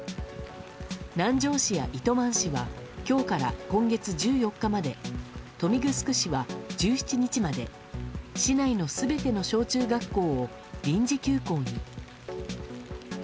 南城市や糸満市は今日から今月１４日まで豊見城市は１７日まで市内の全ての小中学校を臨時休校に。